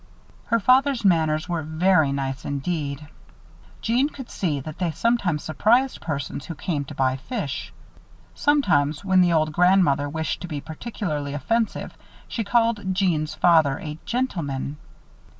Her father's manners were very nice indeed. Jeanne could see that they sometimes surprised persons who came to buy fish. Sometimes, when the old grandmother wished to be particularly offensive, she called Jeanne's father "a gentleman."